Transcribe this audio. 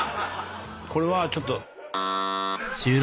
これはちょっと。